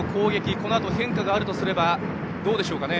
このあと変化があるとすればどうでしょうかね。